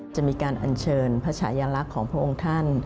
จะมีการอัญเชิญพระชายลักษณ์ของพระองค์ท่าน